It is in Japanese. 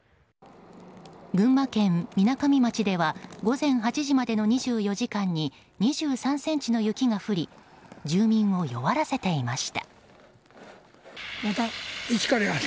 群馬県みなかみ町では午前８時までの２４時間に２３ｃｍの雪が降り住民を弱らせていました。